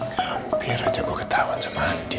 hampir aja gue ketahuan sama andi